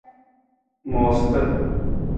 Moosata.